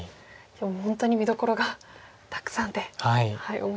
今日も本当に見どころがたくさんで面白い一局でした。